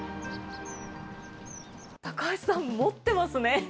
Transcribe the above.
高橋さん、持ってますね。